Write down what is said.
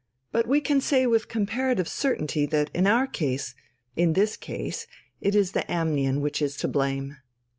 But we can say with comparative certainty that in our case ... in this case it is the amnion which is to blame."